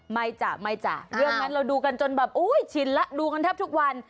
ไม่จ้ะเรื่องนั้นเราดูกันจนแบบชินแล้วดูกันทับทุกวัน